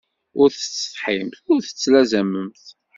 Ur tettsetḥimt ur tettlazamemt.